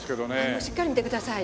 もうしっかり見てください。